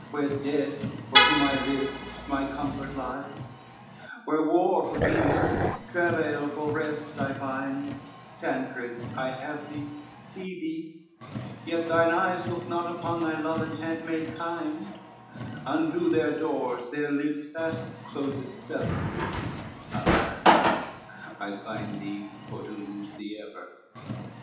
Where dead, for whom I lived, my comfort lies, Where war for peace, travail for rest I find; Tancred, I have thee, see thee, yet thine eyes Looked not upon thy love and handmaid kind, Undo their doors, their lids fast closed sever, Alas, I find thee for to lose thee ever.